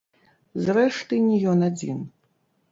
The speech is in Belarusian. Зрэшты, не ён адзін.